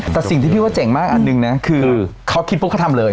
แต่สิ่งที่พี่ว่าเจ๋งมากอันหนึ่งนะคือเขาคิดปุ๊บเขาทำเลย